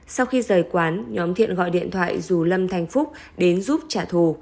sau khi rời quán nhóm thiện gọi điện thoại rủ lâm thành phúc đến giúp trả thù